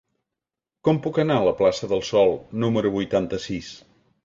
Com puc anar a la plaça del Sol número vuitanta-sis?